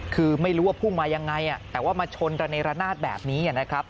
คือไม่รู้ว่าพุ่งมายังไงแต่ว่ามาชนระเนรนาศแบบนี้นะครับ